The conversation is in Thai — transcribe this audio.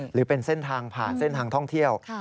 หรือเป็นเส้นทางผ่านเส้นทางท่องเที่ยว